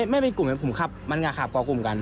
ไม่มีกลุ่มผมผมแค่ขับกล้ากลุ่มกัน